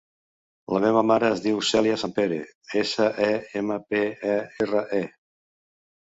La meva mare es diu Cèlia Sempere: essa, e, ema, pe, e, erra, e.